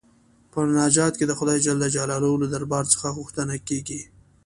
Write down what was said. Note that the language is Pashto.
په مناجات کې د خدای جل جلاله له دربار څخه غوښتنه کيږي.